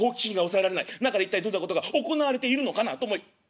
中で一体どんなことが行われているのかなと思い